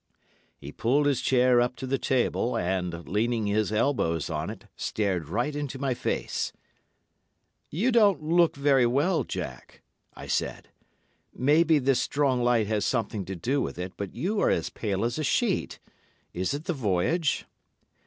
"He pulled his chair up to the table, and, leaning his elbows on it, stared right into my face. "'You don't look very well, Jack,' I said. 'Maybe this strong light has something to do with it, but you are as pale as a sheet. Is it the voyage?